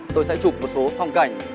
tôi sẽ chụp một số phong cảnh